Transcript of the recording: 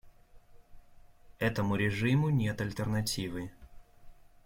Этому режиму нет альтернативы.